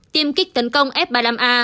tiêm kích tấn công f ba mươi năm a